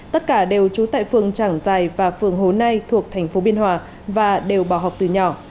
tất cả đều trú tại phường trảng giài và phường hồ nai thuộc thành phố biên hòa và đều bỏ học từ nhỏ